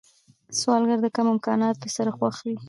سوالګر د کمو امکاناتو سره خوښ وي